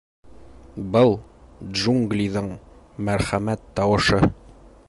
Был — джунглиҙың мәрхәмәт тауышы.